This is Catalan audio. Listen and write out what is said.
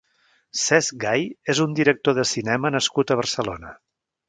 Cesc Gay és un director de cinema nascut a Barcelona.